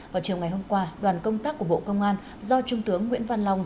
vào chiều ngày hôm qua đoàn công tác của bộ công an do trung tướng nguyễn văn long